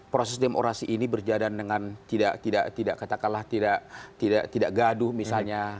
proses demokrasi ini berjalan dengan tidak gaduh misalnya